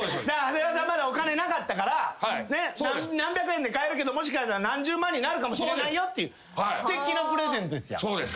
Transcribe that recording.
長谷川さんまだお金なかったから何百円で買えるけどもしかしたら何十万になるかもしれないよっていうすてきなプレゼントですやん。